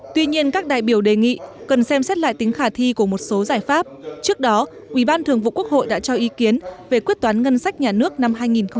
tuy nhiên các đại biểu đề nghị cần xem xét lại tính khả thi của một số giải pháp trước đó ủy ban thường vụ quốc hội đã cho ý kiến về quyết toán ngân sách nhà nước năm hai nghìn một mươi bảy